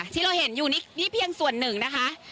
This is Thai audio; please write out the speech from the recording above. ที่เราเห็นอยู่นี่เพียงส่วนหนึ่งนะคะ